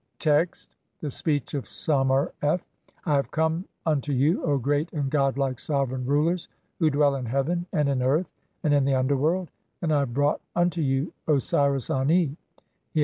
I. Text : [The Speech of Sa mer f] (1) "I have come unto "you, O great and godlike sovereign rulers who dwell in heaven, "and in earth, and (2) in the underworld, and I have brought "unto you Osiris Ani.